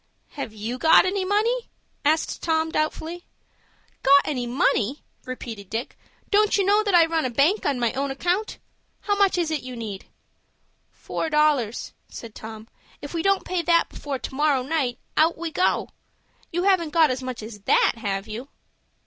"Have you got any money?" asked Tom, doubtfully. "Got any money!" repeated Dick. "Don't you know that I run a bank on my own account? How much is it you need?" "Four dollars," said Tom. "If we don't pay that before to morrow night, out we go. You haven't got as much as that, have you?"